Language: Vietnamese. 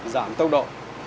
giảm tốc độ